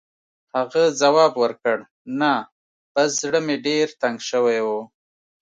هغه ځواب ورکړ: «نه، بس زړه مې ډېر تنګ شوی و.